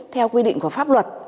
theo quy định của pháp luật